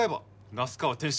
那須川天心